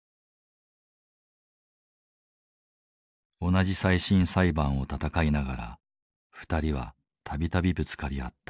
同じ再審裁判を闘いながら２人は度々ぶつかり合った。